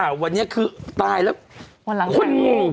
วันนี้คือตายแล้วคนงง